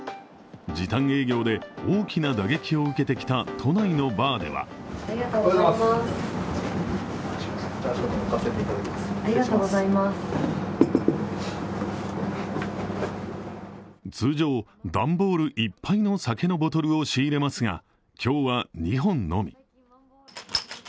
時短営業で大きな打撃を受けてきた都内のバーでは通常、段ボールいっぱいの酒のボトルを仕入れますが今日は２本のみ。